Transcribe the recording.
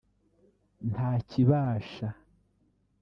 « Ntakibasha »